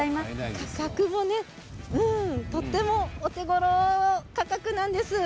とってもお手ごろ価格なんです。